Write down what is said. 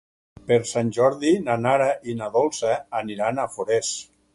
Per Sant Jordi na Nara i na Dolça aniran a Forès.